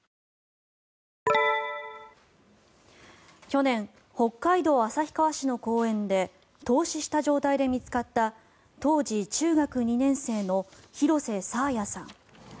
去年、北海道旭川市の公園で凍死した状態で見つかった当時中学２年生の広瀬爽彩さん。